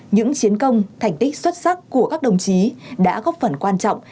những chiến công thành tích xuất sắc của các đồng chí đã góp phần quan trọng